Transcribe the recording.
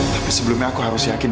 tapi sebelumnya aku harus yakin